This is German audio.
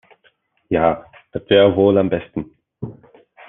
Ja, das wäre wohl am besten.